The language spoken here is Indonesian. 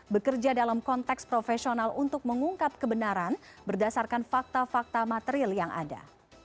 bekerja dalam konteks profesional untuk mengungkap kebenaran berdasarkan fakta fakta material yang ada